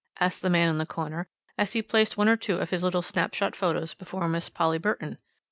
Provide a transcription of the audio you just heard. asked the man in the corner as he placed one or two of his little snap shot photos before Miss Polly Burton.